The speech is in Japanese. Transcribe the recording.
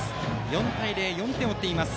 ４対０、４点を追っています。